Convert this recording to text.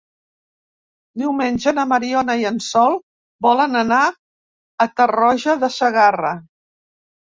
Diumenge na Mariona i en Sol volen anar a Tarroja de Segarra.